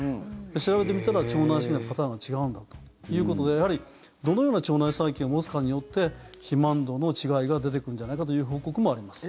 調べてみたら、腸内細菌のパターンが違うんだということでやはり、どのような腸内細菌を持つかによって肥満度の違いが出てくるんじゃないかという報告もあります。